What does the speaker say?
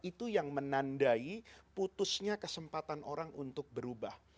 itu yang menandai putusnya kesempatan orang untuk berubah